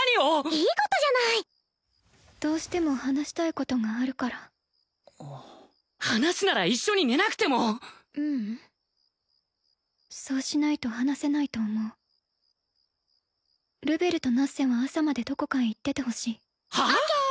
いいことじゃないどうしても話したいことがあるから話なら一緒に寝なくてもううんそうしないと話せないと思うルベルとナッセは朝までどこかへ行っててほしいはあ！？ＯＫ！